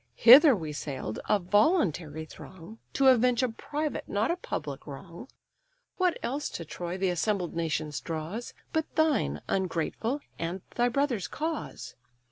Hither we sail'd, a voluntary throng, To avenge a private, not a public wrong: What else to Troy the assembled nations draws, But thine, ungrateful, and thy brother's cause?